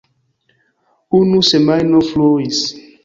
Unu semajno fluis.